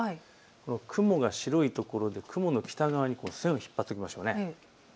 雲が白い所で雲の北側に線を引っ張っておきましょう。